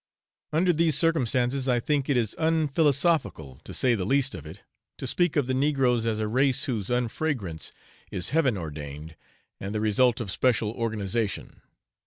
Under these circumstances I think it is unphilosophical, to say the least of it, to speak of the negroes as a race whose unfragrance is heaven ordained, and the result of special organisation.